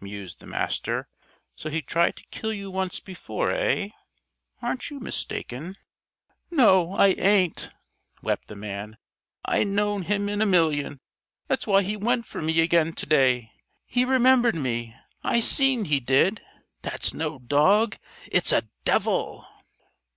mused the Master. "So he tried to kill you once before, eh? Aren't you mistaken?" "No, I ain't!" wept the man. "I'd know him in a million! That's why he went for me again to day. He remembered me. I seen he did. That's no dog. It's a _devil!